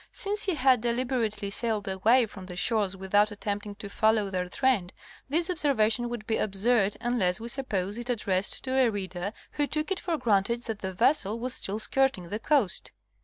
Since he had deliber ately sailed away from the shores without attempting to follow their trend this observation would be absurd unless we suppose it addressed to a reader who took it for granted that the vessel was still skirting the coast.